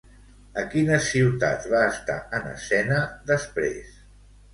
A quines ciutats va estar en escena després?